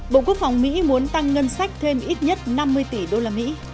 bộ quốc phòng mỹ muốn tăng ngân sách thêm ít nhất năm mươi tỷ usd